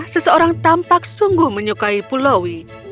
seseorang tampak sungguh menyukai pulaui